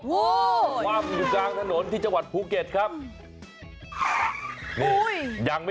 โอ้โหคว่ำอยู่กลางถนนที่จังหวัดภูเก็ตครับ